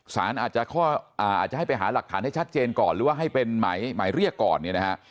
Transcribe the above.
สารอาจจะให้ไปหาหลักฐานให้ชัดเจนก่อนหรือว่าให้เป็นหมายเรียกก่อนเนี่ยนะฮะ